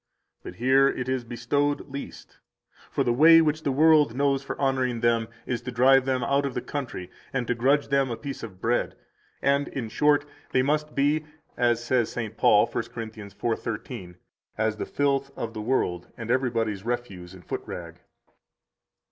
But here it is bestowed least; for the way which the world knows for honoring them is to drive them out of the country and to grudge them a piece of bread, and, in short, they must be (as says St. Paul, 1 Cor. 4:13) as the filth of the world and everybody's refuse and footrag.